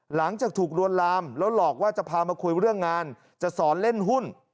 หลังจากถูกลวนลามแล้วหลอกว่าจะพามาคุยเรื่องงานจะสอนเล่นหุ้น